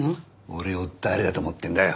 俺を誰だと思ってるんだよ。